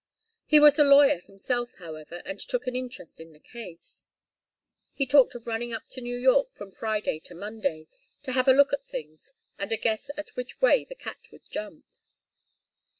He was a lawyer himself, however, and took an interest in the case. He talked of running up to New York, from Friday to Monday, to have a look at things, and a guess at which way the cat would jump.